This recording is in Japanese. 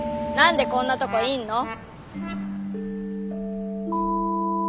何でこんなとこいんの？